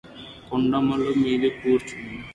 కొండకొమ్ము మీద కూరుచున్న